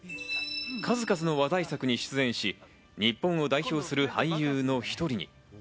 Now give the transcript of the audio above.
数々の話題作に出演し、日本を代表する俳優の１人に。